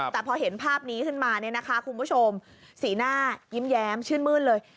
แต่พอเห็นภาพนี้ขึ้นมาเนี่ยนะคะคุณผู้ชมสีหน้ายิ้มแย้มชื่นมื้นเลย